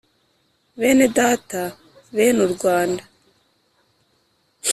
Bene data bene u Rwanda